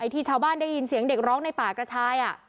ที่ชาวบ้านได้ยินเสียงเด็กร้องในป่ากระชาย